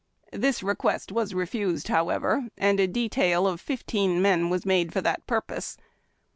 This request was refused, however, and a de tail of fifteen men made for that purpose.